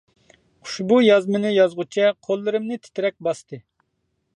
ئۇشبۇ يازمىنى يازغۇچە قوللىرىمنى تىترەك باستى.